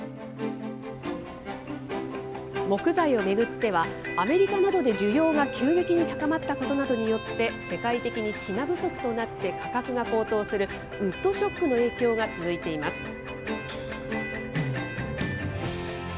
木材を巡っては、アメリカなどで需要が急激に高まったことなどによって、世界的に品不足となって価格が高騰する、ウッドショックの影響が続いています。